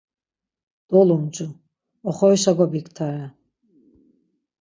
Dolumcu, oxorişa gobiktare.